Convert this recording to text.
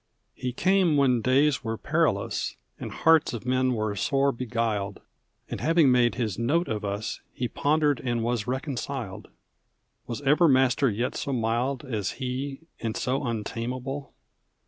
|3| He came when days were perilous And hearts of men were sore beguiled; And having made his note of us, He pondered and was reconciled. Was ever master yet so mild As he, and so untamable?